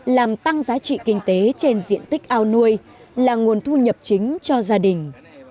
làm tăng giá trị kinh tế trên diện tích ao nuôi là nguồn thu nhập chính cho gia đình